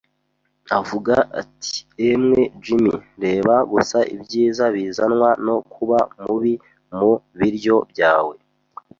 Avuga ati: “Emwe, Jim, reba gusa ibyiza bizanwa no kuba mubi mu biryo byawe.